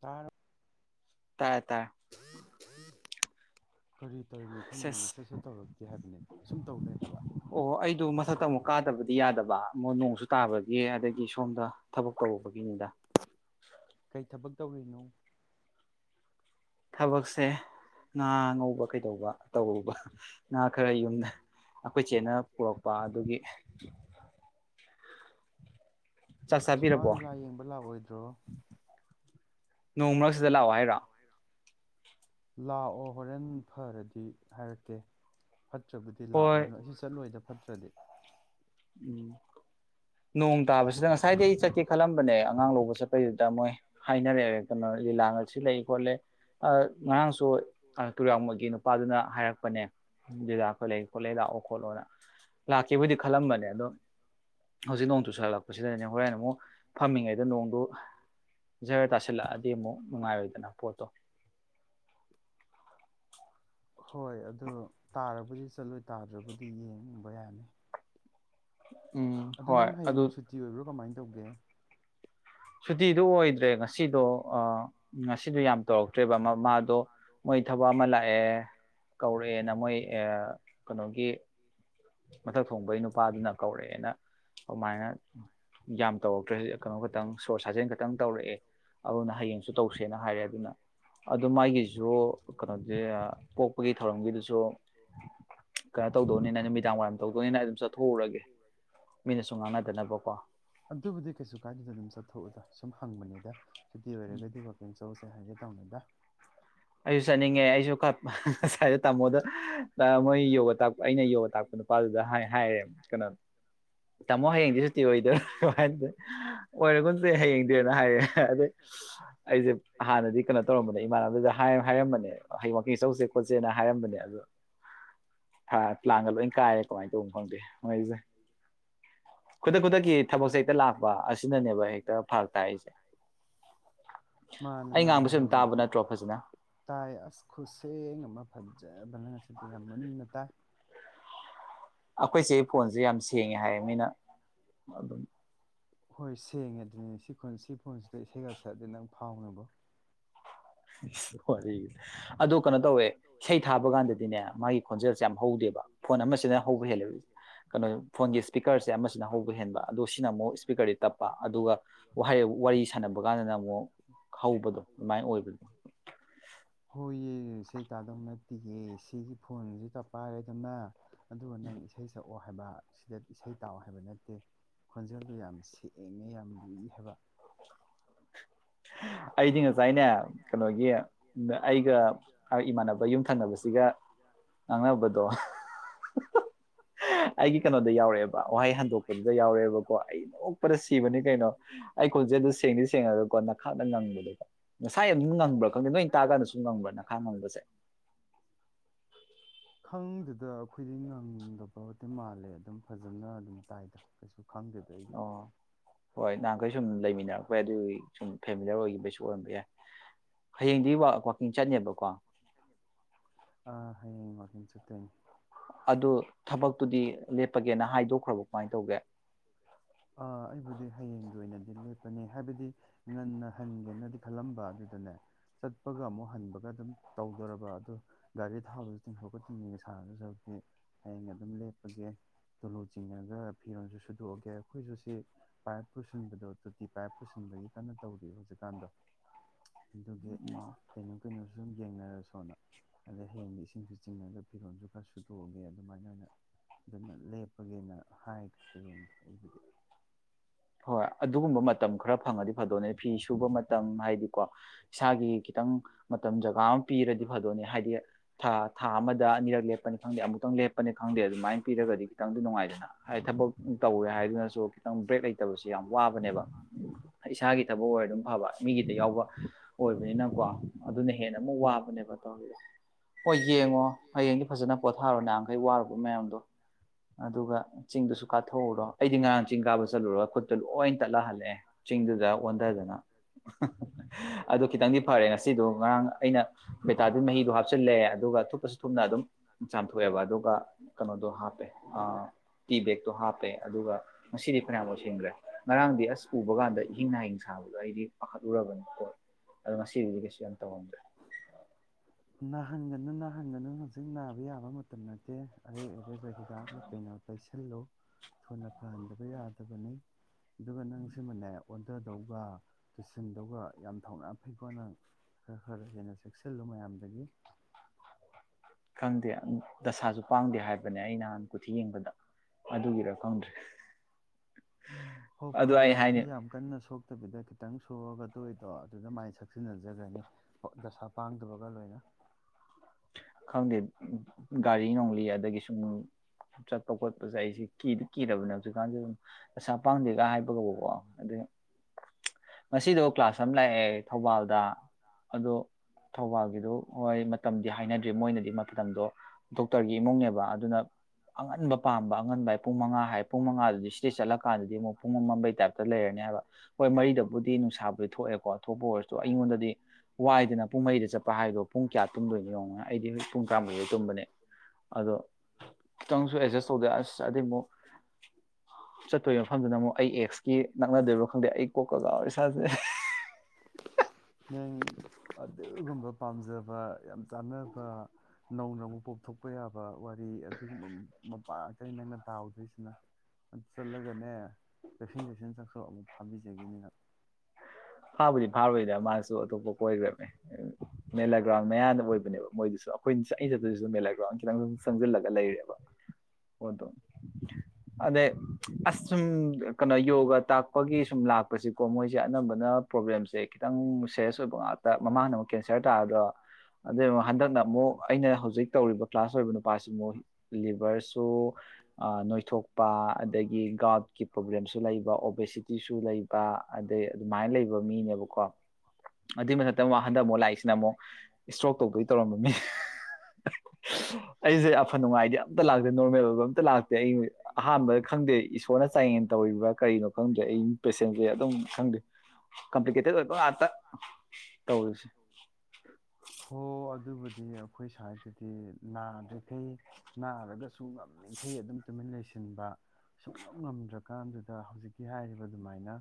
ꯇꯔꯥ ꯀꯔꯤ ꯇꯧꯔꯤꯅꯣ ꯈꯪꯗꯦ ꯃꯤꯁꯦꯖ ꯁꯠ ꯇꯧꯔꯛꯇꯦ ꯍꯥꯏꯕꯅꯦ ꯁꯨꯝ ꯇꯧ ꯂꯩ ꯍꯥꯏꯕ ꯨ ꯇꯥꯕꯒꯤ ꯑꯗꯒꯤ ꯁꯣꯝꯗ ꯊꯕꯛ ꯀꯧꯕꯧꯕꯒꯤꯅꯤꯗ ꯇꯧꯋꯅꯨ ꯊꯕꯛꯁꯦ ꯉꯥ ꯉꯧꯕ ꯀꯩꯗꯧꯕ ꯇꯧꯔꯨꯕ ꯉꯥ ꯈꯔ ꯌꯨꯝꯗ ꯑꯩꯈꯣꯏꯆꯦꯠꯅ ꯄꯨꯔꯛꯄ ꯑꯗꯨꯒꯤ [unintelligible] ꯁꯨꯃꯥꯡ ꯂꯤꯂꯥ ꯌꯦꯡꯕ ꯂꯥꯛꯑꯣꯏꯗ꯭ꯔꯣ ꯅꯣꯡ ꯃꯔꯛꯁꯤꯗ ꯂꯥꯛꯑꯣ ꯍꯥꯏꯔ ꯂꯥꯛꯑꯣ ꯍꯣꯔꯦꯟ ꯐꯔꯗꯤ ꯍꯥꯏꯔꯛꯀꯦ ꯐꯠꯇ꯭ꯔꯕꯗꯤ ꯂꯥꯛꯎꯨꯔꯅꯨ ꯁꯤ ꯆꯠꯂꯣꯏꯗ ꯊꯞꯆꯗꯦ ꯎꯝ ꯅꯣꯡ ꯇꯥꯕꯁꯤꯗ ꯉꯁꯥꯏꯗꯤ ꯑꯩ ꯆꯠꯀꯦ ꯈꯜꯂꯝꯕꯅꯦ ꯑꯉꯥꯡ ꯂꯧꯕ ꯆꯠꯄꯩꯗꯨꯗ ꯃꯣꯏ ꯍꯥꯏꯅꯔꯛꯑꯦ ꯀꯩꯅꯣ ꯂꯤꯂꯥ ꯉꯁꯤ ꯂꯩ ꯈꯣꯠꯂꯦ ꯉꯔꯥꯡꯁꯨ ꯇꯨꯔꯌꯥꯥꯡꯃꯣꯏꯒꯤ ꯅꯨꯄꯥꯗꯨꯅ ꯍꯥꯏꯔꯛꯄꯅꯦ ꯂꯤꯂꯥ ꯑꯩꯈꯣꯏ ꯂꯩ ꯈꯣꯠꯂꯦ ꯂꯥꯛꯑꯣ ꯈꯣꯠꯂꯣꯅ ꯂꯥꯛꯀꯦꯕꯨꯗꯤ ꯈꯜꯂꯝꯕꯅꯦ ꯑꯣ ꯍꯧꯖꯤꯛ ꯅꯣꯡ ꯆꯨꯁꯤꯜꯂꯜꯂꯛꯄꯁꯤꯗꯅꯦ ꯍꯣꯔꯦꯟ ꯑꯃꯨꯛ ꯐꯝꯃꯤꯉꯩꯗ ꯅꯣꯡꯗꯨ ꯖꯔ ꯇꯥꯁꯤꯜꯂꯛꯑꯗꯤ ꯑꯃꯨꯛ ꯅꯨꯡꯉꯥꯏꯔꯣꯏꯗꯅ ꯄꯣꯠꯇꯣ ꯍꯣꯏ ꯑꯗꯨ ꯇꯥꯕꯨꯗꯤ ꯆꯠꯂꯣꯏ ꯇꯥꯗ꯭ꯔꯕꯗꯤ ꯌꯦꯡ ꯀꯦꯅꯤ ꯑꯗꯨꯗꯣ ꯅꯪ ꯍꯌꯦꯡ ꯁꯨꯇꯤ ꯑꯣꯏꯕ꯭ꯔꯣ ꯀꯃꯥꯏꯅ ꯇ ꯌꯒꯦ ꯁꯨꯇꯤꯗꯨ ꯑꯣꯏꯗ꯭ꯔꯦ ꯉꯁꯤꯗꯣ ꯉꯁꯤꯗꯣ ꯌꯥꯝ ꯇꯧꯔꯛꯇ꯭ꯔꯦꯕ ꯑꯃ ꯃꯥꯗꯣ ꯃꯣꯏ ꯊꯕꯛ ꯑꯃ ꯂꯥꯛꯑꯦ ꯀꯧꯔꯛꯑꯦꯅ ꯃꯣꯏ ꯀꯩꯅꯣꯒꯤ ꯃꯊꯛ ꯊꯣꯡꯕꯒꯤ ꯅꯨꯄꯥꯗꯨꯅ ꯀꯧꯔꯛꯑꯦꯅ ꯑꯗꯨꯃꯥꯏꯅ ꯌꯥꯝ ꯇꯧꯔꯛꯇ꯭ꯔꯁꯨ ꯀꯩꯅꯣ ꯈꯛꯇꯪ ꯁꯣꯔ ꯁꯥꯖꯦꯟ ꯈꯛꯇꯪ ꯇꯧꯔꯛꯑꯦ ꯑꯗꯨꯅ ꯍꯌꯦꯡꯁꯨ ꯇꯧꯁꯦꯅ ꯍꯥꯏꯔꯦ ꯑꯗꯨꯅ ꯑꯗꯨ ꯃꯥꯒꯤꯁꯨ ꯀꯩꯅꯣꯗꯤ ꯄꯣꯛꯄꯒꯤ ꯊꯧꯔꯝꯒꯤꯗꯨꯁꯨ ꯀꯩꯅꯣ ꯇꯧꯗꯧꯅꯤꯅ ꯅꯨꯃꯤ ꯅꯨꯃꯤꯗꯥꯡ ꯋꯥꯏꯔꯝ ꯇꯧꯗꯣꯏꯅꯤꯅ ꯑꯗꯨꯝ ꯆꯠꯊꯣꯛꯎꯔꯒꯦ ꯃꯤꯅꯁꯨ ꯉꯥꯡꯅꯗꯅꯕꯀꯣ ꯑꯗꯨꯏ ꯀꯩꯁꯨ ꯀꯥꯏꯗꯦꯗ ꯑꯗꯨꯝ ꯆꯠꯊꯣꯛꯎꯗ ꯁꯨꯝ ꯍꯪꯕꯅꯤꯗ ꯁꯨꯇꯤ ꯑꯣꯏꯔꯒꯗꯤ ꯋꯥꯀꯤꯡ ꯆꯧꯁꯦ ꯍꯥꯏꯒꯦ ꯇꯧꯅꯤꯗꯥ ꯑꯩꯁꯨ ꯆꯠꯅꯤꯡꯉꯦ ꯑꯩꯁꯨ ꯉꯁꯥꯏꯗ ꯇꯥꯃꯣꯗ ꯃꯣꯏ ꯌꯣꯒ ꯇꯥꯛꯄ ꯑꯩꯅ ꯌꯣꯒ ꯇꯥꯛꯄ ꯅꯨꯄꯥꯗꯨꯗ ꯍꯥꯏ ꯍꯥꯏꯔꯦ ꯀꯩꯅꯣ ꯇꯥꯃꯣ ꯍꯌꯦꯡꯗꯤ ꯁꯨꯇꯤ ꯑꯣꯏꯗꯣꯏꯔ ꯍꯥꯏꯗꯦ ꯑꯣꯏꯔꯒꯨꯝꯖꯦ ꯍꯌꯦꯡꯗꯤꯅ ꯍꯥꯏꯌꯦ ꯑꯗꯩ ꯑꯩꯁꯦ ꯍꯥꯟꯅꯗꯤ ꯀꯩꯅꯣ ꯇꯧꯔꯝꯕꯅꯦ ꯏꯃꯥꯟꯅꯕꯗ ꯍꯥꯏꯔꯝꯕꯅꯦ ꯑꯩ ꯋꯥꯛꯀꯤꯡ ꯆꯧꯁꯦ ꯈꯣꯠꯁꯦꯅ ꯍꯥꯏꯔꯝꯕꯅꯦ ꯑꯗꯣ ꯄꯂꯥꯟꯒ ꯂꯣꯏ ꯀꯥꯏꯔꯦ ꯀꯃꯥꯏꯅ ꯇꯧꯕꯅꯣ ꯈꯪꯗꯦꯁꯦ ꯈꯨꯗꯛ ꯈꯨꯗꯛꯀꯤ ꯊꯕꯛꯁꯦ ꯍꯦꯛꯇ ꯂꯥꯛꯄ ꯑꯁꯤꯅꯅꯦꯕ ꯍꯦꯛꯇ ꯐꯔꯛ ꯇꯥꯏꯁꯦ ꯑꯩ ꯉꯥꯡꯕꯁꯦ ꯑꯗꯨꯝ ꯇꯥꯕ ꯅꯠꯇ꯭ꯔꯣ ꯐꯖꯅ ꯇꯥꯏ ꯑꯁ ꯈꯨꯁꯦꯡ ꯑꯃ ꯐꯖꯕꯅ ꯉꯁꯤꯗꯤ ꯌꯥꯝ ꯃꯨꯟꯅ ꯇꯥꯏ ꯑꯩꯈꯣꯏ ꯆꯦ ꯐꯣꯟꯁꯦ ꯌꯥꯝ ꯁꯦꯡꯉꯦ ꯍꯥꯏꯌꯦ ꯃꯤꯅ ꯑꯗꯨꯝ ꯍꯣꯏ ꯁꯦꯡꯉꯦ ꯑꯗꯨꯅꯦ ꯁꯤ ꯁꯤ ꯐꯣꯟꯁꯤꯗ ꯏꯁꯩꯒ ꯁꯛ ꯑꯗꯤ ꯅꯪ ꯐꯥꯎꯅꯤꯕꯣ ꯋꯥꯔꯤꯗꯤ ꯑꯗꯣ ꯀꯩꯅꯣ ꯇꯧꯋꯦ ꯏꯁꯩ ꯊꯥꯕ ꯀꯥꯟꯗꯗꯤꯅꯦ ꯃꯥꯒꯤ ꯈꯣꯟꯖꯦꯜꯁꯦ ꯌꯥꯝ ꯍꯧꯗꯦꯕ ꯐꯣꯟ ꯑꯃꯁꯤꯅ ꯍꯧꯕ ꯍꯦꯜꯂꯦꯕ ꯀꯩꯅꯣ ꯐꯣꯟꯒꯤ ꯏꯁꯄꯤꯀꯔꯁꯦ ꯑꯃꯁꯤꯅ ꯍꯧꯕ ꯍꯦꯟꯕ ꯑꯗꯣ ꯁꯤꯅ ꯑꯃꯨꯛ ꯏꯁꯄꯤꯀꯔꯗꯤ ꯇꯞꯄ ꯑꯗꯨꯒ ꯋꯥꯍ ꯋꯥꯔꯤ ꯁꯥꯟꯅꯕ ꯀꯥꯟꯗꯅ ꯑꯃꯨꯛ ꯍꯧꯕꯗꯣ ꯑꯗꯨꯃꯥꯏꯅ ꯑꯣꯏꯕꯅꯤ ꯍꯣꯏꯌꯦ ꯏꯁꯩ ꯇꯥꯗꯧ ꯅꯠꯇꯤꯌꯦ ꯁꯤꯒꯤ ꯐꯣꯟꯁꯤ ꯇ ꯄꯥꯏꯔꯦꯗꯅ ꯑꯗꯨꯒ ꯅꯪ ꯏꯁꯩ ꯁꯛꯄ ꯁꯛꯑꯣ ꯍꯥꯏꯕ ꯁꯤꯗ ꯏꯁꯩ ꯇꯥꯎꯑꯣ ꯍꯥꯏꯕ ꯅꯠꯇꯦ ꯈꯣꯟꯖꯦꯜꯗꯣ ꯌꯥꯝ ꯁꯦꯡꯉꯦ ꯌꯥꯝ ꯂꯨꯏ ꯍꯥꯏꯕ ꯎꯝ ꯑꯩꯗꯤ ꯉꯁꯥꯏꯅꯦ ꯀꯩꯅꯣꯒꯤ ꯑꯩꯒ ꯏꯃꯥꯟꯅꯕ ꯌꯨꯝꯊꯪꯅꯕꯁꯤꯒ ꯉꯥꯡꯅꯕꯗꯣ ꯑꯩꯒꯤ ꯀꯩꯅꯣꯗ ꯌꯥꯎꯔꯛꯑꯦꯕ ꯋꯥꯍꯩ ꯍꯟꯗꯣꯛꯄꯗꯨꯗ ꯌꯥꯎꯔꯛꯑꯦꯕꯀꯣ ꯑꯩ ꯅꯣꯛꯛꯄꯗ ꯁꯤꯕꯅꯤ ꯀꯩꯅꯣ ꯑꯩ ꯈꯣꯟꯖꯦꯜꯁꯦ ꯑꯗꯨꯝ ꯁꯦꯡꯗꯤ ꯁꯦꯡꯉꯒꯀꯣ ꯅꯪ ꯃꯁꯥꯏ ꯑꯗꯨꯝ ꯉꯪꯕ꯭ꯔꯥ ꯈꯪꯗꯦ ꯅꯣꯏ ꯇꯥꯀꯥꯟꯗ ꯁꯨꯝ ꯉꯪꯕ꯭ꯔꯥ ꯅꯈꯥ ꯉꯪꯕꯁꯦ ꯗ ꯑꯩꯈꯣꯏꯗꯤ ꯉꯪꯗꯕꯕꯨꯗꯤ ꯃꯥꯜꯂꯦ ꯑꯗꯨꯝ ꯐꯖꯅ ꯑꯗꯨꯝ ꯇꯥꯏꯗ ꯀꯩꯁꯨ ꯑꯣ ꯍꯣꯏ ꯅꯍꯥꯟꯈꯩ ꯁꯨꯝ ꯂꯩꯃꯤ ꯛꯄ ꯑꯗꯨ ꯁꯨꯝ ꯐꯦꯃꯤꯂꯤꯔ ꯑꯣꯏꯈꯤꯕꯩꯁꯨ ꯑꯣꯏꯔꯝꯕ ꯌꯥꯏ ꯍꯌꯦꯡꯗꯤ ꯑ ꯍꯌꯦꯡ ꯋꯥꯜꯀꯤꯡ ꯆꯠ ꯇ ꯑꯗꯨ ꯊꯕꯛꯇꯨꯗꯤ ꯂꯦꯞꯄꯒꯦꯅ ꯍꯥꯏꯗꯣꯛꯈ꯭ꯔꯕ ꯀꯃꯥꯏꯅ ꯇꯧꯒꯦ ꯑ ꯑꯩꯕꯨꯗꯤ ꯍꯌꯦꯡꯒꯤ ꯑꯣꯏꯅꯗꯤ ꯂꯦꯞꯄꯅꯤ ꯍꯥꯏꯕꯗꯤ ꯉꯟꯅ ꯍꯟꯒꯦꯅꯗꯤ ꯈꯜꯂꯝꯕ ꯑꯗꯨꯗꯅꯦ ꯆꯠꯄꯒ ꯑꯃꯨꯛ ꯍꯟꯕꯒ ꯑꯗꯨꯝ ꯇꯧꯗꯣꯔꯕ ꯑꯗ ꯒꯥꯔꯤ ꯊꯥꯕꯁꯨ ꯇꯤꯡꯊꯣꯛꯀ ꯆꯤꯡꯅꯤꯡꯉꯦ ꯁꯥꯟꯅꯗꯁꯨ ꯍꯧꯖꯤꯛꯇꯤ ꯍꯌꯦꯡ ꯑꯗꯨꯝ ꯂꯦꯞꯄꯒꯦ ꯇꯨꯂꯨ ꯆꯤꯡꯉꯒ ꯐꯤꯔꯣꯜꯁꯨ ꯁꯨꯗꯣꯛꯑꯒꯦ ꯑꯩꯈꯣꯏꯁꯨ ꯁꯤ ꯄꯥꯏꯞ ꯄꯨꯁꯤꯟꯕꯗꯣ ꯇꯣꯇꯤ ꯄꯥꯏꯞ ꯄꯨꯁꯤꯟꯕꯒꯤ ꯀꯟꯅ ꯇꯧꯔꯤ ꯍꯧꯖꯤꯛꯀꯥꯟꯗꯣ ꯑꯗꯨꯒꯤ ꯀꯩꯅꯣꯁꯨ ꯁꯨꯝ ꯌꯦꯡꯅꯔꯁꯣꯅ ꯑꯗꯩ ꯍꯌꯦꯡꯖꯦ ꯏꯁꯤꯡꯁꯨ ꯆꯤꯡꯉꯒ ꯐꯤꯔꯣꯜꯁꯨ ꯈꯔ ꯁꯨꯇꯣꯛꯑꯒꯦ ꯑꯗꯨꯃꯥꯏꯅ ꯑꯣꯏꯅ ꯑꯗꯨꯅ ꯂꯦꯞꯄꯒꯦꯅ ꯍꯥꯏꯈ꯭ꯔꯦ ꯍꯌꯦꯡꯗꯣ ꯑꯩꯕꯨꯗꯤ ꯍꯣꯏ ꯑꯗꯨꯒꯨꯝꯕ ꯃꯇꯝ ꯈꯔ ꯐꯪꯉꯗꯤ ꯐꯗꯧꯅꯦ ꯐꯤ ꯁꯨꯕ ꯃꯇꯝ ꯍꯥꯏꯗꯤꯀꯣ ꯏꯁꯥꯒꯤ ꯈꯤꯇꯪ ꯃꯇꯝ ꯖꯒꯥ ꯑꯃ ꯄꯤꯔꯗꯤ ꯐꯗꯣꯏꯅꯦ ꯍꯥꯏꯗꯤ ꯊꯥ ꯊꯥ ꯑꯃꯗ ꯑꯅꯤꯔꯛ ꯂꯦꯞꯄꯅꯤ ꯈꯪꯗꯦ ꯑꯃꯨꯛꯇꯪ ꯂꯦꯞꯄꯅꯤ ꯈꯪꯗꯦ ꯑꯗꯨꯃꯥꯏꯅ ꯄꯤꯔꯒꯗꯤ ꯈꯤꯇꯪꯗꯤ ꯅꯨꯡꯉꯥꯏꯗꯅ ꯍꯥꯏ ꯊꯕꯛ ꯇꯧꯋꯦ ꯍꯥꯏꯗꯨꯅꯁꯨ ꯈꯤꯇꯪ ꯕ꯭ꯔꯦꯛ ꯂꯩꯇ ꯌꯥꯝ ꯋꯥꯕꯅꯦꯕ ꯏꯁꯥꯒꯤ ꯊꯕꯛ ꯑꯣꯏꯔꯗꯤ ꯑꯃꯨꯛ ꯐꯕ ꯃꯤꯒꯤꯗ ꯌꯥꯎꯕ ꯑꯣꯏꯕꯅꯤ ꯀꯣ ꯑꯗꯨꯅ ꯍꯦꯟꯅ ꯑꯃꯨꯛ ꯋꯥꯕꯅꯦꯕ ꯇꯧꯔꯤꯁꯦ ꯍꯣꯏ ꯌꯦꯡꯉꯣ ꯍꯌꯦꯡꯗꯤ ꯐꯖꯅ ꯄꯣꯊꯥꯔꯣ ꯅꯍꯥꯟꯈꯩ ꯋꯥꯔꯨꯕ ꯃꯌꯥꯝꯗꯣ ꯑꯗꯨꯒ ꯆꯤꯡꯗꯨꯁꯨ ꯀꯥꯊꯣꯛꯎꯨꯔꯣ ꯑꯩꯗꯤ ꯉꯔꯥꯡ ꯆꯤꯡ ꯀꯥꯕ ꯆꯠꯂꯨꯔꯣ ꯂꯣꯏ ꯇꯠꯂ ꯍꯜꯂꯛꯑꯦ ꯆꯤꯡꯗꯨꯗ ꯑꯣꯟꯊꯗꯅ ꯑ ꯈꯤꯇꯪ ꯐꯔꯦ ꯉꯁꯤꯗꯣ ꯉꯔꯥꯡ ꯑꯩꯅ ꯕꯦꯇꯥꯗꯨꯒꯤ ꯃꯍꯤꯗꯣ ꯍꯥꯞꯆꯤꯜꯂꯦ ꯑꯗꯨꯒ ꯊꯨꯞꯄꯁꯨ ꯊꯨꯞꯅ ꯑꯗꯨꯝ ꯆꯥꯝꯊꯣꯛꯑꯦꯕ ꯑꯗꯨꯒ ꯀꯩꯅꯣꯗꯣ ꯍꯥꯞꯄꯦ ꯇꯤ ꯕꯦꯇꯣ ꯍꯥꯞꯄꯦ ꯑꯗꯨꯒ ꯉꯁꯤꯗꯤ ꯐꯅꯌꯥꯝꯃꯛ ꯍꯦꯡꯗ꯭ꯔꯦ ꯉꯔꯥꯡꯗꯤ ꯑꯁ ꯎꯕ ꯀꯥꯟꯗ ꯏꯍꯤꯡ ꯅꯥꯍꯤꯡ ꯁꯥꯕꯗꯣ ꯑꯩꯗꯤ ꯄꯥꯈꯠꯂꯨꯔꯕꯅꯤꯀꯣ ꯁꯤꯒꯁꯤ ꯑ ꯇ ꯍꯦ ꯅꯥꯍꯟꯒꯅ ꯅꯥꯍꯟꯒꯅ ꯍꯧꯖꯤꯛ ꯅꯥꯕ ꯌꯥꯕ ꯃꯇꯝꯗ ꯦ ꯑꯔꯩ ꯑꯔꯩꯕ ꯍꯤꯗꯥꯛꯅ ꯀꯩꯅꯣ ꯇꯩꯁꯜꯂꯨ ꯊꯨꯅ ꯐꯍꯟꯗꯕ ꯌꯥꯗꯕꯅꯤ ꯑꯗꯨꯒ ꯅꯪ ꯁꯤꯃꯅꯦ ꯑꯣꯗꯔꯗꯒ ꯇꯨꯏꯁꯟꯗꯧꯒ ꯌꯥꯝ ꯊꯧꯅꯥ ꯑꯩꯩꯈꯣꯟꯅ ꯈꯔ ꯈꯔ ꯍꯦꯟꯅ ꯆꯦꯛꯁꯤꯜꯂꯨ ꯃꯌꯥꯝꯗꯒꯤ ꯈꯪꯗꯦ ꯗꯁꯥꯁꯨ ꯄꯥꯡꯗꯦ ꯍꯥꯏꯕꯅꯦ ꯑꯩ ꯅꯍꯥꯟ ꯀꯊꯤ ꯌꯦꯡꯕꯗ ꯑꯗꯨꯒꯤꯔ ꯈꯪꯗ꯭ꯔꯦ ꯍꯣ ꯐꯔꯕꯅꯤ ꯌꯥꯝ ꯀꯟꯅ ꯁꯣꯛ ꯐꯠꯇꯕꯤꯗ ꯈꯤꯇꯪ ꯁꯣꯛꯑꯒ ꯇꯣꯛꯏꯗꯣ ꯑꯗꯨ ꯑꯗꯨꯃꯥꯏꯅ ꯁꯛꯆꯟꯅꯖꯈ꯭ꯔꯅꯤ ꯗꯁꯥ ꯄꯥꯡꯗꯕꯒ ꯂꯣꯏꯅ ꯈꯪꯗꯦ ꯒꯥꯔꯤ ꯣꯂꯤ ꯑꯗꯒꯤ ꯁꯨꯝ ꯆꯠꯄ ꯈꯣꯠꯄꯁꯦ ꯑꯩꯁꯦ ꯀꯤꯗꯤ ꯀꯤꯔꯕꯅꯦ ꯍꯧꯖꯤꯛꯀꯥꯟꯁ ꯑꯗꯨꯝ ꯑꯁꯥ ꯄꯥꯡꯗꯦꯒ ꯍꯥꯏꯕꯒꯕꯀꯣ ꯑꯗꯩ ꯉꯁꯤꯗꯣ ꯀ꯭ꯂꯥꯁ ꯑꯃ ꯂꯥꯛꯑꯦ ꯊꯧꯕꯥꯜꯗ ꯑꯗꯣ ꯊꯧꯕꯥꯜꯒꯤꯗꯨ ꯍꯣꯏ ꯃꯇꯝꯗꯤ ꯍꯥꯏꯅꯗ ꯃꯣꯏꯅꯗꯤ ꯃꯇꯝꯗꯣ ꯗꯣꯛꯇꯔꯒꯤ ꯏꯃꯨꯡꯅꯦꯕ ꯑꯗꯨꯅ ꯑꯉꯟꯕ ꯄꯥꯝꯕ ꯑꯉꯟꯕ ꯍꯥꯏ ꯄꯨꯡ ꯃꯉꯥ ꯍꯥꯏ ꯄꯨꯡ ꯃꯉꯥꯗꯨꯗꯤ ꯁꯤꯗꯩ ꯆꯠꯂꯀꯥꯟꯗꯗꯤ ꯑꯃꯨꯛ ꯄꯨꯡ ꯑꯃꯃꯝꯝꯕꯩ ꯇꯥꯏꯞꯇ ꯂꯩꯔꯅꯤ ꯍꯥꯏꯕ ꯍꯣꯏ ꯃꯔꯤꯗꯕꯨꯗꯤ ꯅꯨꯡꯁꯥꯕꯨꯗꯤ ꯊꯣꯛꯑꯦꯀꯣ ꯊꯣꯛꯄ ꯑꯣꯏꯔꯁꯨ ꯑꯩꯉꯣꯟꯗꯗꯤ ꯋꯥꯏꯗꯅ ꯄꯨꯡ ꯃꯔꯤꯗ ꯆꯠꯄ ꯍꯥꯏꯗꯣ ꯄꯨꯡ ꯀꯌꯥ ꯇꯨꯝꯗꯣꯏꯅꯣ ꯌꯦꯣ ꯑꯩꯗꯤ ꯍꯧꯖꯤꯛ ꯄꯨꯡ ꯇꯔꯥꯃꯛꯔꯤꯗ ꯇꯨꯝꯕꯅꯦ ꯑꯗꯣ ꯈꯤꯇꯪꯁꯨ ꯑꯦꯗꯖꯁ ꯇꯧꯗꯦ ꯑꯁ ꯑꯗꯨꯏ ꯑꯃꯨꯛ ꯆꯠꯇꯣꯏꯒꯤ ꯃꯐꯝꯗꯨꯅ ꯑꯃꯨꯛ ꯑꯩ ꯑꯦꯛꯁꯀꯤ ꯅꯛꯅꯗꯣꯏ꯭ꯔꯥ ꯈꯪꯗꯦ ꯑꯩ ꯀꯣꯛ ꯀꯀꯥ ꯏꯁꯥꯁꯦ ꯅꯪ ꯑꯗꯨꯒꯨꯝꯕ ꯄꯥꯝꯖꯕ ꯌꯥꯝ ꯆꯥꯟꯅꯕ ꯅꯧꯅ ꯑꯃꯨꯛ ꯄꯣꯞꯊꯣꯛꯄ ꯌꯥꯕ ꯋꯥꯔꯤ ꯑꯗꯨꯒꯨꯝꯕ ꯃꯄꯥ ꯉꯥꯛꯇ ꯅꯪꯅ ꯇꯥꯎꯗꯣꯏꯁꯤꯅ ꯑꯗꯨ ꯆꯠꯂꯒꯅꯦ ꯆꯦꯛꯁꯤꯟ ꯆꯦꯛꯁꯤꯟ ꯆꯥꯛꯁ ꯑꯃꯨꯛ ꯐꯥꯕꯤꯖꯈꯤꯅꯤꯅ ꯐꯥꯕꯨꯗꯤ ꯐꯥꯔꯣꯏꯗ ꯃꯥꯁꯨ ꯑꯇꯣꯞꯄ ꯀꯣꯏꯈ꯭ꯔꯕꯅꯦ ꯃꯦꯂꯥꯒ꯭ꯔꯥꯎꯟ ꯃꯌꯥꯗ ꯑꯣꯏꯕꯅꯦꯕ ꯃꯣꯏꯗꯨꯁꯨ ꯑꯩꯈꯣꯏꯅ ꯆꯠꯏ ꯆꯠꯠꯇꯗꯁꯨ ꯃꯦꯂꯥꯒ꯭ꯔꯥꯎꯟ ꯈꯤꯇꯪ ꯆꯪꯁꯤꯜꯂꯒ ꯂꯩꯔꯦꯕ ꯄꯣꯠꯇꯣ ꯑꯗꯩ ꯑꯁ ꯁꯨꯝ ꯀꯩꯅꯣ ꯌꯣꯒ ꯇꯥꯛꯄꯒꯤ ꯁꯨꯝ ꯂꯥꯛꯄꯁꯀꯣ ꯃꯣꯏꯁꯦ ꯑꯅꯝꯕꯅ ꯄ꯭ꯔꯣꯕ꯭ꯂꯦꯝꯁꯦ ꯈꯤꯇꯪ ꯁꯦꯔꯤꯌꯁ ꯑꯣꯏꯕ ꯉꯥꯛꯇ ꯃꯃꯥꯡꯗ ꯑꯃꯨꯛ ꯀꯦꯟꯁꯔ ꯇꯥꯔꯗꯣ ꯑꯗꯨꯏ ꯑꯃꯨꯛ ꯍꯟꯗꯛꯅ ꯑꯃꯨꯛ ꯑꯩꯅ ꯍꯧꯖꯤꯛ ꯇꯧꯔꯤꯕ ꯀ꯭ꯂꯥꯁ ꯑꯣꯏꯔꯤꯕ ꯅꯨꯄꯥꯁꯤꯃꯨꯛ ꯂꯤꯚꯔꯁꯨ ꯅꯣꯏꯊꯣꯛꯄ ꯑꯗꯒꯤ ꯒꯥꯎꯠꯀꯤ ꯄ꯭ꯔꯣꯕ꯭ꯂꯦꯝꯁꯨ ꯂꯩꯕ ꯑꯣꯕꯦꯁꯤꯇꯤꯁꯨ ꯂꯩꯕ ꯑꯗꯩ ꯑꯗꯨꯃꯥꯏꯅ ꯂꯩꯕ ꯃꯤꯅꯦꯕꯀꯣ ꯑꯗꯨꯏ ꯃꯊꯛꯇ ꯑꯃꯨꯛ ꯋꯥ ꯍꯟꯗ ꯑꯃꯨꯛ ꯂꯥꯏꯔꯤꯛꯁꯤꯅ ꯑꯃꯨꯛ ꯏꯁꯇ꯭ꯔꯣꯛ ꯇꯧꯗꯣꯏ ꯇꯧꯔꯝꯕ ꯃꯤ ꯑꯩꯁꯦ ꯑꯐ ꯅꯨꯡꯉꯥꯏꯗꯤ ꯑꯝꯇ ꯂꯥꯛꯇꯦ ꯅꯣꯔꯃꯦꯜ ꯑꯣꯏꯕ ꯑꯝꯇ ꯂꯥꯛꯇꯦ ꯑꯩ ꯑꯍꯥꯟꯕ ꯈꯪꯗꯦ ꯏꯁꯣꯔꯅ ꯆꯥꯡꯌꯦꯡ ꯇꯧꯔꯤꯕ꯭ꯔꯥ ꯀꯔꯤꯅꯣ ꯈꯪꯗꯦ ꯑꯩ ꯄꯦꯁꯦꯟꯁꯦ ꯑꯗꯨꯝ ꯈꯪꯗꯦ ꯀꯝꯄ꯭ꯂꯤꯀꯦꯇꯦꯠ ꯑꯣꯏꯕ ꯉꯥꯛꯇ ꯇꯧꯔꯤꯁꯦ ꯑꯗꯨꯕꯨꯗꯤ ꯑꯩꯈꯣꯏ ꯁ꯭ꯋꯥꯏꯠꯇꯗꯤ ꯅꯥꯗ꯭ꯔꯤꯈꯩ ꯅꯥꯔꯒꯁꯨ ꯉꯝꯃꯤꯈꯩ ꯑꯗꯨꯝ ꯇꯨꯃꯤꯟ ꯂꯩꯁꯤꯟꯕ ꯁꯨꯡꯝ ꯉꯝꯗ꯭ꯔꯒ ꯀꯥꯟꯗꯨꯗ ꯍꯧꯖꯤꯛꯀꯤ ꯍꯥꯏꯔꯤꯕ ꯑꯗꯨꯃꯥꯏꯅ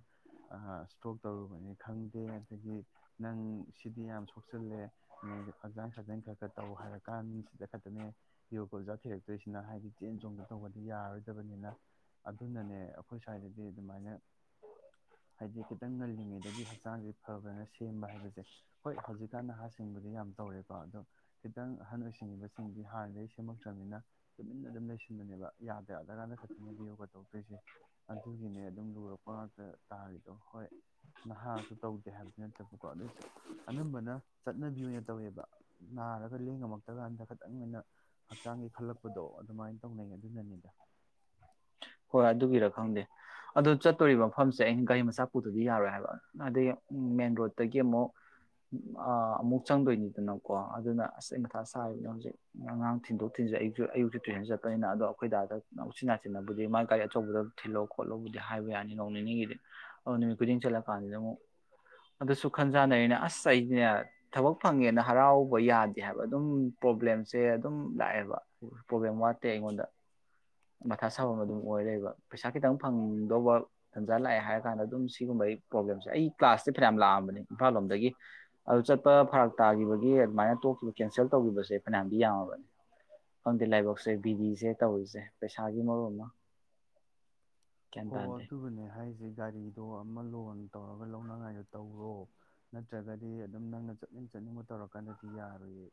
ꯏꯁꯇ꯭ꯔꯣꯛ ꯇꯧꯔꯨꯕꯅꯤ ꯈꯪꯗꯦ ꯑꯗꯒꯤ ꯅꯪ ꯁꯤꯗꯤ ꯌꯥꯝ ꯁꯣꯛꯆꯤꯜꯂꯦ ꯅꯪ ꯍꯛꯆꯥꯡ ꯈꯛꯆꯥꯡ ꯈꯔ ꯈꯔ ꯇꯧ ꯍꯥꯏꯔꯀꯥꯟꯁꯤꯗ ꯈꯛꯇꯅꯦ ꯌꯣꯒ ꯑꯣꯖꯥ ꯊꯤꯔꯛꯇꯣꯏꯁꯤꯅ ꯍꯥꯏꯗꯤ ꯆꯦꯟ ꯆꯣꯡꯗ ꯇꯧꯕꯗꯤ ꯌꯥꯔꯣꯏꯗꯕꯅꯤꯅ ꯑꯗꯨꯅꯅꯦ ꯑꯩꯈꯣꯏ ꯁ꯭ꯋꯥꯏꯗꯗꯤ ꯑꯗꯨꯃꯥꯏꯅ ꯍꯥꯏꯗꯤ ꯈꯤꯇꯪ ꯉꯜꯂꯤꯉꯩꯗꯒꯤ ꯍꯛꯆꯥꯡꯁꯦ ꯐꯕꯅ ꯁꯦꯝꯕ ꯍꯥꯏꯕꯁꯦ ꯍꯣꯏ ꯍꯧꯖꯤꯛꯀꯥꯟꯗ ꯍꯥꯁꯤꯡꯕꯗꯤ ꯌꯥꯝ ꯇꯧꯔꯦꯀꯣ ꯑꯗꯣ ꯈꯤꯇꯪ ꯑꯍꯟ ꯑꯣꯏꯁꯤꯡꯉꯤꯕꯁꯤꯡꯗꯤ ꯍꯥꯟꯅꯗꯒꯤ ꯁꯦꯝꯃꯛꯇ꯭ꯔꯕꯅꯤꯅ ꯇꯨꯃꯤꯟꯅ ꯑꯗꯨꯝ ꯂꯩꯁꯤꯟꯗꯅꯦꯕ ꯌꯥꯗ ꯌꯥꯗ꯭ꯔꯀꯥꯟꯗ ꯈ ꯐꯅꯦꯕ ꯌꯣꯒꯥ ꯇꯧꯗ꯭ꯔꯤꯁꯦ ꯑꯗꯨꯒꯤꯅꯦ ꯑꯗꯨꯝ ꯂꯨꯔꯛꯄ ꯉꯥꯛꯇ ꯇꯥꯔꯤꯗꯣ ꯍꯣꯏ ꯅꯍꯥꯁꯨ ꯇꯧꯗꯦ ꯍꯥꯏꯕꯗꯨ ꯅꯠꯇꯕꯀꯣ ꯑꯗꯨꯏꯁꯨ ꯑꯅꯝꯕꯅ ꯆꯠꯅꯕꯤ ꯑꯣꯏꯅ ꯇꯧꯋꯦꯕ ꯅꯥꯔꯒ ꯂꯦꯡꯉꯝꯃꯛꯇ ꯀꯥꯟꯗ ꯈꯤꯇꯪ ꯑꯣꯏꯅ ꯍꯛꯆꯥꯡꯒꯤ ꯈꯜꯂꯛꯄꯗꯣ ꯑꯗꯨꯃꯥꯏꯅ ꯇꯧꯅꯩ ꯑꯗꯨꯅꯅꯤꯗ ꯑꯗꯨꯒꯤꯔ ꯈꯪꯗꯦ ꯑꯗꯨ ꯆꯠ ꯆ ꯇꯧꯔꯤꯕ ꯃꯐꯝꯁꯦ ꯑꯩꯅ ꯒꯥꯔꯤ ꯃꯆꯥ ꯄꯨꯠꯇꯗꯤ ꯌꯥꯔꯣꯏ ꯍꯥꯏꯕ ꯑꯗꯩ ꯃꯦꯟ ꯔꯣꯗꯇꯒꯤ ꯑꯃꯨꯛ ꯑꯃꯨꯛ ꯆꯪꯗꯣꯏꯅꯤꯗꯅꯀꯣ ꯑꯗꯨꯅ ꯑꯁ ꯃꯊꯥ ꯁꯥꯔꯤꯕꯅꯤ ꯍꯧꯖꯤꯛ ꯑꯉꯥꯡ ꯊꯤꯟꯗꯣꯛ ꯊꯤꯟꯖꯤ ꯑꯌꯨꯛꯁꯨ ꯑꯌꯨꯛꯁꯨ ꯇꯨꯏꯁꯟ ꯆꯠꯄꯅꯤꯅ ꯑꯗꯣ ꯑꯩꯈꯣꯏꯗꯥꯗ ꯑꯃꯨꯛ ꯆꯤꯟ ꯅꯥꯤꯟꯅ ꯕꯨꯗꯤ ꯃꯥꯏ ꯒꯥꯔꯤ ꯑꯆꯧꯕꯗ ꯊꯤꯜꯂꯧ ꯈꯣꯠꯂꯣꯕꯨꯗꯤ ꯍꯥꯏꯕ ꯌꯥꯅꯤ ꯅꯣꯡ ꯅꯤꯅꯤꯒꯤꯗꯤ ꯑꯗꯨ ꯅꯨꯃꯤꯠ ꯈꯨꯗꯤꯡ ꯆꯠꯂꯀꯥꯟꯁꯤꯗ ꯑꯃꯨꯛ ꯑꯗꯨꯁꯨ ꯈꯟꯖꯥꯅꯔꯤꯅ ꯑꯁ ꯑꯁ ꯑꯩꯅꯦ ꯊꯕꯛ ꯐꯪꯉꯦꯅ ꯍꯔꯥꯎꯕ ꯌꯥꯗꯦ ꯍꯥꯏꯕ ꯑꯗꯨꯝ ꯄ꯭ꯔꯣꯕ꯭ꯂꯦꯝꯁꯦ ꯑꯗꯨꯝ ꯂꯥꯛꯑꯦꯕ ꯄ꯭ꯔꯣꯕ꯭ꯂꯦꯝ ꯋꯥꯠꯇꯦ ꯑꯩꯉꯣꯟꯗ ꯃꯊꯥ ꯁꯥꯐꯝ ꯑꯗꯨꯝ ꯑꯣꯏ ꯂꯩꯕ ꯄꯩꯁꯥ ꯈꯤꯇꯪ ꯐꯪꯗꯧꯕ ꯇꯟꯖꯥ ꯂꯥꯛꯑꯦ ꯍꯥꯏꯔ ꯀꯥꯟꯗ ꯑꯗꯨꯝ ꯁꯤꯒꯨꯝꯕ ꯑꯩ ꯄ꯭ꯔꯣꯕ꯭ꯂꯦꯝꯁꯦ ꯑꯩ ꯀ꯭ꯂꯥꯁꯇꯦ ꯐꯅꯌꯥꯝ ꯂꯥꯛꯑꯝꯕꯅꯦ ꯏꯝꯐꯥꯜ ꯂꯣꯝꯗꯒꯤ ꯑꯗꯨ ꯆꯠꯄ ꯐꯔꯥꯛ ꯇꯥꯈꯤꯕꯒꯤ ꯑꯗꯨꯃꯥꯏꯅ ꯇꯣꯛꯈꯤꯕ ꯀꯦꯟꯁꯦꯜ ꯇꯧꯈꯤꯕꯁꯦ ꯐꯅꯌꯥꯝꯗꯤ ꯌꯥꯝꯃꯕꯅꯤ ꯈꯪꯗꯦ ꯂꯥꯏꯕꯛꯁꯦ ꯕꯤꯗꯤꯁꯦ ꯇꯧꯔꯤꯁꯦ ꯁꯥꯒꯤ ꯃꯃ ꯀꯇꯗꯦ ꯍꯥꯏꯁꯦ ꯒꯥꯔꯤꯗꯣ ꯑꯃ ꯂꯣꯟ ꯇꯧꯔꯒ ꯂꯧꯅꯉꯥꯏ ꯇꯧꯔꯣ ꯅꯠꯇ꯭ꯔꯒꯗꯤ ꯑꯗꯨꯝ ꯅꯪꯅ ꯆꯠꯅꯤꯡ ꯆꯠꯅꯤꯡꯕ ꯇꯧꯔꯀꯥꯟꯗꯗꯤ ꯌꯥꯔꯨꯏꯌꯦ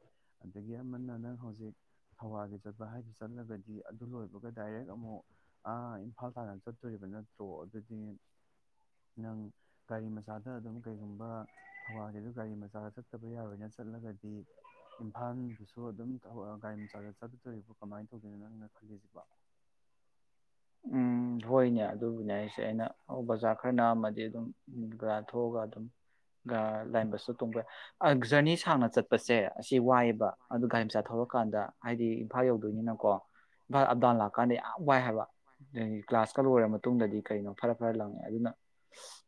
ꯑꯗꯒꯤ ꯑꯃꯅ ꯅꯪ ꯍꯧꯖꯤꯛ ꯊꯧꯕꯥꯜꯒꯤ ꯆꯠꯄ ꯍꯥꯏꯗꯨ ꯆꯠꯂꯒꯗꯤ ꯑꯗꯨ ꯂꯣꯏꯕꯒ ꯗꯥꯏꯔꯦꯛ ꯑꯃꯨꯛ ꯏꯝꯐꯥꯜ ꯇꯥꯟꯅ ꯆꯠꯇꯣꯔꯤꯕ ꯅꯠꯇ꯭ꯔꯣ ꯑꯗꯨꯗꯤ ꯅꯪ ꯒꯥꯔꯤ ꯃꯆꯥ ꯗ ꯑꯗꯨꯝ ꯀꯩꯒꯨꯝꯕ ꯊꯧꯕꯥꯜꯒꯤꯗ ꯒꯥꯔꯤ ꯃꯆꯥꯗ ꯆꯠꯇꯕ ꯌꯥꯔꯣꯏꯅ ꯆꯠꯂꯒꯗꯤ ꯏꯝꯐꯥꯜꯗꯨꯁꯨ ꯑꯗꯨꯝ ꯒꯥꯔꯤ ꯃꯆꯥꯗ ꯆꯠꯀꯗꯣꯔꯤꯕꯣ ꯀꯃꯥꯏꯅ ꯇꯧꯒꯣꯏꯅꯣ ꯅꯪꯅ ꯈꯜꯂꯤꯁꯤꯕꯣ ꯍꯣꯏꯅꯦ ꯑꯗꯨꯕꯨꯅꯦ ꯑꯩ ꯁꯦ ꯑꯩꯅ ꯕꯖꯥꯔ ꯈꯔ ꯅꯥꯝ ꯑꯃꯗꯤ ꯑꯗꯨꯝ ꯥ ꯊꯣꯛꯑꯒ ꯑꯗꯨꯝ ꯂꯥꯏꯟꯕꯁꯇ ꯇꯣꯡꯈꯦ ꯖꯔꯅꯤ ꯁꯥꯡꯅ ꯆꯠꯄꯁꯦ ꯑꯁꯤ ꯋꯥꯏꯑꯦꯕ ꯑꯗꯨ ꯒꯥꯔꯤ ꯃꯆꯥ ꯊꯧꯔꯀꯥꯟꯗ ꯍꯥꯏꯗꯤ ꯏꯝꯐꯥꯜ ꯌꯧꯗꯣꯏꯅꯤꯅꯀꯣ ꯑꯞꯗꯥꯎꯟ ꯂꯥꯛꯀꯥꯟꯗ ꯌꯥꯝ ꯋꯥꯏ ꯍꯥꯏꯕ ꯃꯥꯁꯀ ꯂꯣꯏꯔ ꯃꯇꯨꯡꯗꯗꯤ ꯀꯩꯅꯣ ꯐꯔ ꯐꯔ ꯂꯪꯉꯦ ꯑꯗꯨꯅ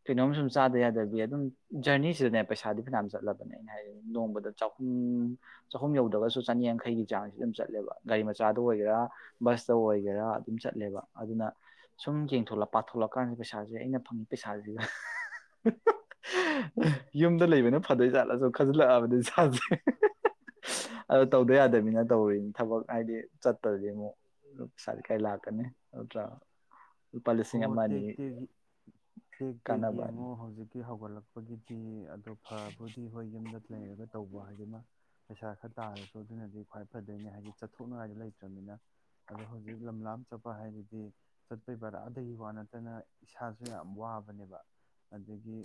ꯀꯩꯅꯣꯝ ꯁꯨꯝ ꯆꯥꯗ ꯌꯥꯗꯕꯤ ꯑꯗꯨꯝ ꯖꯔꯅꯤꯁꯤꯗꯅꯦ ꯄꯩꯁꯥꯗꯤ ꯐꯅꯅ ꯆꯠꯂꯕꯅꯦ ꯑꯩꯅ ꯍꯥꯏ ꯅꯣꯡꯃꯗ ꯆꯍꯨꯝ ꯆꯍꯨꯝ ꯌꯧꯗ꯭ꯔꯒꯁꯨ ꯆꯅꯤꯌꯥꯡꯈꯩꯒꯤ ꯆꯥꯡꯁꯤ ꯑꯗꯨꯝ ꯆꯠꯂꯦꯕ ꯒꯥꯔꯤ ꯃꯆꯥꯗ ꯑꯣꯏꯒꯦꯔꯥ ꯕꯁꯇ ꯑꯣꯏꯒꯦꯔꯥ ꯑꯗꯨꯝ ꯆꯠꯂꯦꯕ ꯑꯗꯨꯅ ꯁꯨꯝ ꯌꯦꯡꯊꯣꯛꯂꯛ ꯄꯥꯊꯣꯛꯂꯛꯀꯥꯟꯗ ꯄꯩꯁꯥꯁꯦ ꯑꯩꯅ ꯐꯪꯉꯤ ꯄꯩꯁꯥꯁꯤꯒ ꯌꯨꯝꯗ ꯂꯩꯕꯅ ꯐꯗꯣꯏ ꯆꯥꯠꯂꯁꯨ ꯈꯟꯖꯤꯜꯂꯛꯑꯕꯗꯤ ꯁꯥꯥꯁꯦ ꯑꯗꯣ ꯇꯧꯗ ꯌꯥꯗꯅꯤꯅ ꯇꯧꯔꯤꯅꯤ ꯊꯕꯛ ꯍꯥꯏꯗꯤ ꯆꯠꯇ꯭ꯔꯗꯤ ꯑꯃꯨꯛ ꯁꯔ ꯀꯥꯏ ꯂꯥꯛꯀꯅꯦ ꯍꯣ ꯇꯦꯛꯇꯦꯛ ꯇꯦꯛꯇꯦꯛ ꯌꯦꯡꯉꯣ ꯍꯧꯖꯤꯛꯀꯤ ꯍꯧ ꯍꯧꯒꯠꯂꯛꯄꯒꯤꯗꯤ ꯑꯗꯣ ꯐꯕꯨꯗꯤ ꯍꯣꯏ ꯌꯨꯝꯗ ꯂꯩꯔꯒ ꯇꯧꯕ ꯍꯥꯏꯗꯨꯅ ꯄꯩꯁꯥ ꯈꯔ ꯇꯥꯔꯁꯨ ꯑꯗꯨꯅꯗꯤ ꯈ꯭ꯋꯥꯏ ꯐꯗꯣꯏꯅꯦ ꯍꯥꯏꯗꯤ ꯆꯠꯊꯣꯛꯅꯉꯥꯏꯗ ꯂꯩꯇ꯭ꯔꯕꯅꯤꯅ ꯑꯗꯣ ꯍꯧꯖꯤꯛ ꯂꯝꯂꯥꯝ ꯆꯠꯄ ꯍꯥꯏꯔꯗꯤ ꯆꯠꯄꯩ ꯄꯕꯔꯥ ꯑꯗꯒꯤ ꯋꯥ ꯅꯠꯇꯅ ꯏꯁꯥꯁꯨ ꯌꯥꯝ ꯋꯥꯕꯅꯦꯕ ꯑꯗꯒꯤ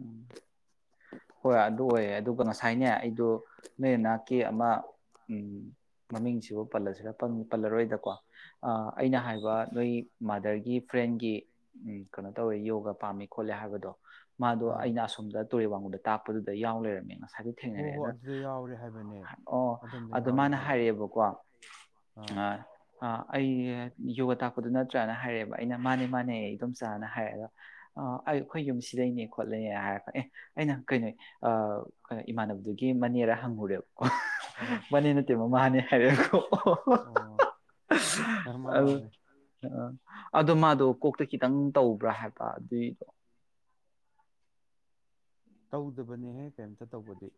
ꯎꯝ ꯍꯣꯏ ꯑꯗꯨ ꯑꯣꯏꯌꯦ ꯑꯗꯨꯒ ꯉꯁꯥꯏꯅꯦ ꯑꯩꯗꯣ ꯅꯣꯏ ꯅꯅꯥꯛꯀꯤ ꯑꯃ ꯎꯝ ꯃꯃꯤꯡꯁꯤꯕꯨ ꯄꯜꯂꯁꯤꯔ ꯄꯜꯂꯔꯣꯏꯗꯀꯣ ꯑꯩꯅ ꯍꯥꯏꯕ ꯅꯣꯏ ꯃꯥꯗꯔꯒꯤ ꯐ꯭ꯔꯦꯟꯒꯤ ꯎ ꯀꯩꯅꯣ ꯇꯧꯋꯦ ꯌꯣꯒꯥ ꯄꯥꯝꯃꯦ ꯈꯣꯠꯂꯦ ꯍꯥꯏꯕꯗꯣ ꯃꯥꯗꯣ ꯑꯩꯅ ꯑꯁꯣꯝꯗ ꯇꯨꯔꯦꯜ ꯋꯥꯡꯉꯨꯗ ꯇꯥꯛꯄꯗꯨꯗ ꯌꯥꯎ ꯂꯩꯔꯝꯃꯦ ꯉꯁꯥꯏ ꯉꯗꯤ ꯊꯦꯡꯅꯔꯦ ꯑꯗꯣ ꯑꯣ ꯑꯗꯣ ꯃꯥꯅ ꯍꯥꯏꯔꯛꯑꯦꯕꯀꯣ ꯑꯩ ꯌꯣꯒ ꯇꯥꯛꯄꯗꯨ ꯅꯠꯇ꯭ꯔꯥꯅ ꯍꯥꯏꯔꯛꯑꯦꯕ ꯑꯩꯅ ꯃꯥꯅꯦ ꯃꯥꯅꯦ ꯑꯩ ꯑꯗꯨꯝ ꯆꯥꯅ ꯍꯥꯏꯔꯛꯦ ꯑꯗꯣ ꯑꯩ ꯑꯩꯈꯣꯏ ꯌꯨꯝ ꯁꯤꯗꯩꯅꯦ ꯈꯣꯠꯂꯦ ꯍꯥꯏꯔ ꯑꯦ ꯑꯩꯅ ꯀꯩꯅꯣ ꯑ ꯏꯃꯥꯟꯅꯕꯗꯨꯒꯤ ꯃꯅꯦꯔ ꯍꯪꯉꯨꯔꯦꯕ ꯃꯥꯅꯦ ꯅꯠꯇꯦ ꯃꯃꯥꯅꯦ ꯍꯥꯏꯔꯗꯣ ꯑ ꯑꯗꯣ ꯃꯥꯗꯣ ꯀꯣꯛꯇ ꯈꯤꯇꯪ ꯇꯧꯕ꯭ꯔꯥ ꯍꯥꯏꯕ ꯑꯗꯨꯏꯗꯣ ꯇꯧꯗꯕꯅꯦꯍꯦ ꯀꯩꯝꯇ ꯇꯧꯕꯗꯤ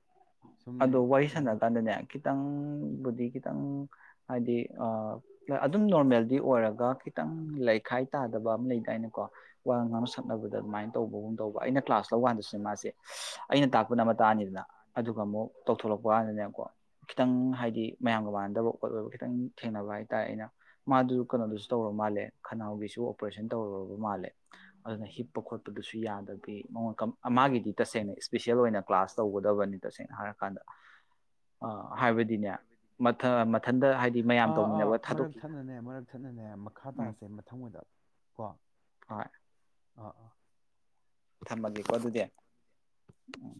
ꯑꯗꯣ ꯋꯥꯔꯤ ꯁꯥꯟꯅ ꯀꯥꯟꯗꯅꯦ ꯈꯤꯇꯪꯕꯨꯗꯤ ꯈꯤꯇꯪ ꯍꯥꯏꯗꯤ ꯑꯗꯨꯝ ꯅꯣꯔꯃꯦꯜꯗꯤ ꯑꯣꯏꯔꯒ ꯈꯤꯇꯪ ꯂꯩꯈꯥꯏ ꯇꯥꯗꯕ ꯑꯃ ꯂꯩꯗꯥꯏꯅꯀꯣ ꯋꯥ ꯉꯥꯡꯅ ꯁꯛꯅꯕꯗ ꯑꯗꯨꯃꯥꯏꯅ ꯇꯧꯕꯒꯨꯝ ꯇꯧꯕ ꯑꯩꯅ ꯀ꯭ꯂꯥꯁ ꯂꯧꯀꯥꯟꯗꯁꯨꯅꯦ ꯃꯥꯁꯦ ꯑꯩꯅ ꯇꯥꯛꯄꯅ ꯑꯃ ꯇꯥꯑꯅꯤꯗꯅ ꯑꯗꯨꯒ ꯑꯃꯨꯛ ꯇꯧꯊꯣꯛꯂꯛꯄ ꯀꯥꯟꯗꯅꯦꯀꯣ ꯈꯤꯇꯪ ꯍꯥꯏꯗꯤ ꯃꯌꯥꯝꯒ ꯃꯥꯟꯅꯗꯕ ꯈꯣꯠꯂꯕ ꯈꯤꯇꯪ ꯊꯦꯡꯅꯕ ꯍꯥꯏꯇꯥꯔꯦ ꯑꯩꯅ ꯃꯥꯗꯨꯁꯨ ꯀꯩꯅꯣꯗꯨꯁꯨ ꯇꯧꯨꯔꯕ ꯃꯥꯜꯂꯦ ꯈꯅꯥꯎꯒꯤꯁꯨ ꯑꯣꯄꯔꯦꯁꯟ ꯇꯧꯔꯨꯔꯕ ꯃꯥꯜꯂꯦ ꯑꯗꯨꯅ ꯍꯤꯞꯄ ꯈꯣꯠꯄꯗꯨꯁꯨ ꯌꯥ ꯑꯗꯗꯤ ꯃꯉꯣꯟꯀ ꯃꯥꯒꯤꯗꯤ ꯇꯁꯦꯡꯅ ꯏꯁꯄꯤꯁꯦꯜ ꯑꯣꯏꯅ ꯀ꯭ꯂꯥꯁ ꯇꯧꯒꯗꯕꯅꯤ ꯇꯁꯦꯡꯅ ꯍꯥꯏꯔ ꯑꯥ ꯑꯥ ꯃꯔꯛ ꯊꯠꯅꯅꯦ ꯃꯔꯛ ꯊꯠꯅꯅꯦ ꯃꯈꯥ ꯇꯥꯁꯦ ꯃꯊꯪ ꯃꯗ ꯀꯣ ꯑꯥ ꯑꯥ ꯊꯝꯃꯒꯦꯀꯣ ꯑꯗꯨꯗꯤ ꯎꯝ